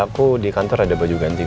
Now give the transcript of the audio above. aku di kantor ada baju ganti